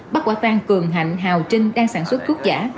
bắt quả tang cường hạnh hào trinh đang sản xuất thuốc giả